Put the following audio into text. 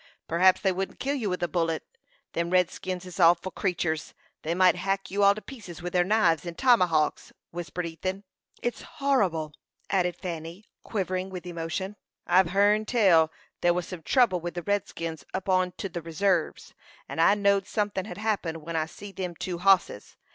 "P'rhaps they wouldn't kill you with a bullet. Them redskins is awful creeturs. They might hack you all to pieces with their knives and tomahawks," whispered Ethan. "It's horrible!" added Fanny, quivering with emotion. "I've hearn tell that there was some trouble with the redskins up on to the reserves; and I knowed sunthin' had happened when I see them two hosses.